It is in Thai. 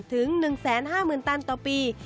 ถึง๑๕๐๐๐ตันต่อปี